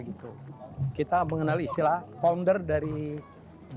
kita akan kasih joseph hoffley bahwa kejahatan waktu depan